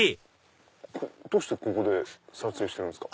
でもどうしてここで撮影してるんですか？